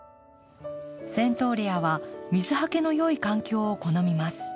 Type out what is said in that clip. セントーレアは水はけのよい環境を好みます。